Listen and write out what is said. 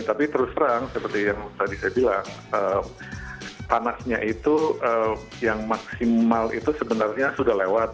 tapi terus terang seperti yang tadi saya bilang panasnya itu yang maksimal itu sebenarnya sudah lewat